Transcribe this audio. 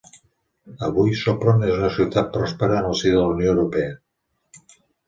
Avui, Sopron és una ciutat pròspera en el si de la Unió Europea.